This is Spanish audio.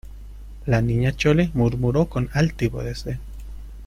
la Niña Chole murmuró con altivo desdén: